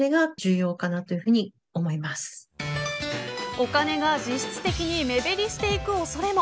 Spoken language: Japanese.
お金が実質的に目減りしていく恐れも。